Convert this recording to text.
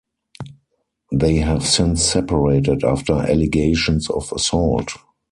They have since separated after allegations of assault.